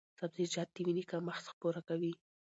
سبزیجات د وینې کمښت پوره کوي۔